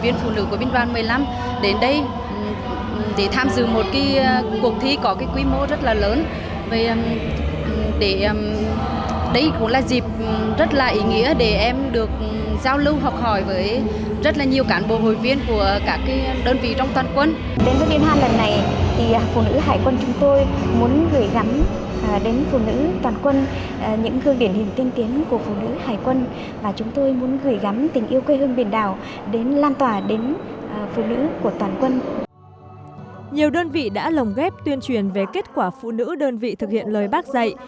nhiều đơn vị đã lồng ghép tuyên truyền về kết quả phụ nữ đơn vị thực hiện lời bác dạy